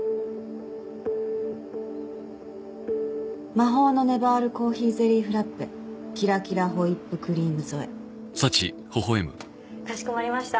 魔法のねばーるコーヒーゼリーフラッペキラキラホイップクリーム添えかしこまりました